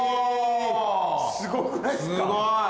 すごくないっすか⁉